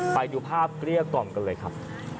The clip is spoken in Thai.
ไปดูภาพเกลี้ยกล่อมกันเลยครับ